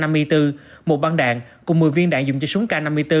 một băng đạn cùng một mươi viên đạn dùng cho súng k năm mươi bốn